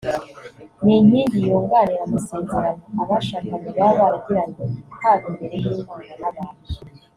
ni inkingi yunganira amasezerano abashakanye baba baragiranye haba imbere y’Imana n’abantu